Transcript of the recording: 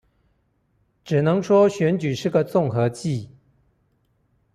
只能說選舉是個綜合技